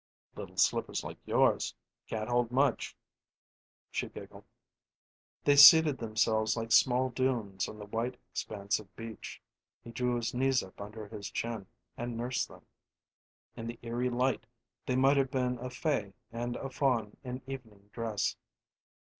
"Little slippers like yours can't hold much." She giggled. They seated themselves like small dunes on the white expanse of beach; he drew his knees up under his chin and nursed them. In the eery light they might have been a fay and a faun in evening dress.